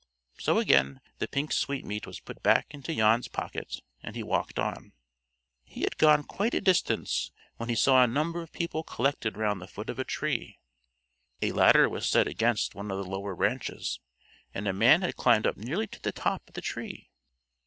So again the pink sweetmeat was put back into Jan's pocket, and he walked on. He had gone quite a distance when he saw a number of people collected round the foot of a tree. A ladder was set against one of the lower branches, and a man had climbed up nearly to the top of the tree.